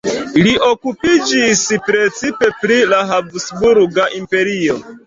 Li okupiĝis precipe pri la Habsburga Imperio.